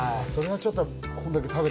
それはちょっと。